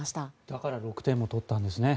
だから６点も取ったんですね。